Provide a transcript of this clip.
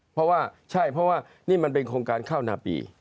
เพราะว่าใช่เพราะว่านี่มันเป็นโครงการข้าวนาปี